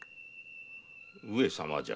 上様じゃ。